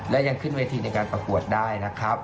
และยังขึ้นเวทีในการประกวดได้นะครับ